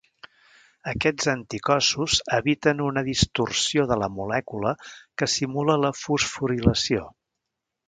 Aquests anticossos eviten una distorsió de la molècula que simula la fosforilació.